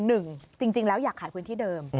หนึ่งจริงแล้วอยากขายพื้นที่เดิม